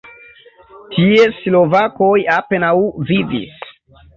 Tie slovakoj apenaŭ vivis.